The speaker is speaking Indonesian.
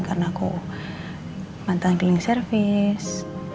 karena aku mantan giling servis